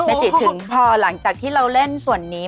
จิตถึงพอหลังจากที่เราเล่นส่วนนี้